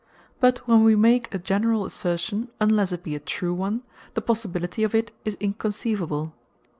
But when we make a generall assertion, unlesse it be a true one, the possibility of it is unconceivable.